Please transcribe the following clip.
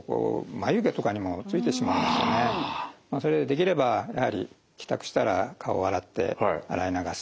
できればやはり帰宅したら顔を洗って洗い流す。